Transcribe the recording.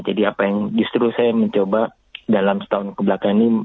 jadi apa yang justru saya mencoba dalam setahun kebelakangan ini